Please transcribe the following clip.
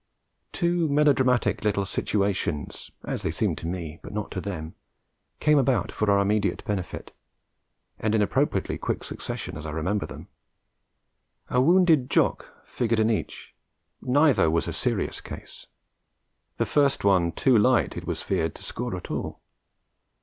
Two melodramatic little situations (as they seemed to me, but not to them) came about for our immediate benefit, and in appropriately quick succession as I remember them. A wounded Jock figured in each; neither was a serious case; the first one too light, it was feared, to score at all.